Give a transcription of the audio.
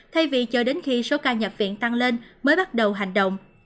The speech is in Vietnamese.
thay vì cho đến khi số ca nhập viện tăng lên mới bắt đầu hành động